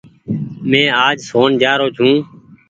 مينٚ آج شون جآ رو ڇو